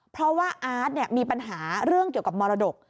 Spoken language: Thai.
เพราะว่าอาร์ตมีปัญหาเรื่องเกี่ยวกับมรดก